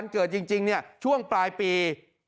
เกิดจริงเนี้ยช่วงปลายปี๖๔